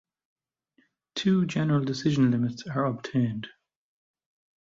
Two general decision limits are obtained.